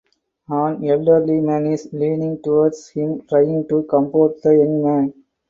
An elderly man is leaning towards him trying to comfort the young man.